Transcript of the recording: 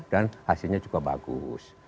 dan hasilnya juga bagus